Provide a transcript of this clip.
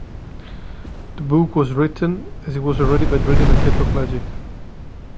The book was written as he was already bedridden and tetraplegic.